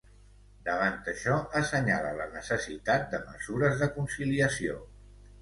Davant això, assenyala la necessitat de mesures de conciliació.